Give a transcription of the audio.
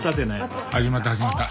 始まった始まった。